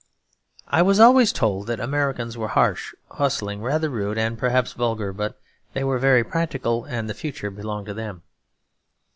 I was always told that Americans were harsh, hustling, rather rude and perhaps vulgar; but they were very practical and the future belonged to them.